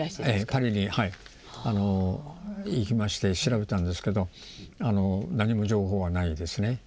パリに行きまして調べたんですけど何も情報はないですね。